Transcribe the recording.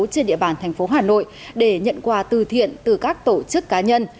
trên địa bàn thành phố hà nội để nhận quà từ thiện từ các tổ chức cá nhân